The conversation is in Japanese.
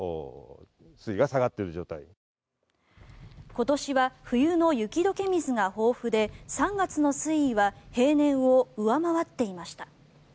今年は冬の雪解け水が豊富で３月の水位は平年を上回っていました。